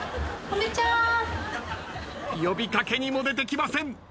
呼び掛けにも出てきません。